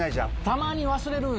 たまに忘れる。